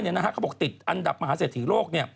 เขาบอกติดอันดับมหาเศรษฐีโลก